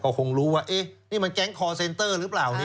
ก็คงรู้ว่านี่มันแก๊งคอร์เซนเตอร์หรือเปล่า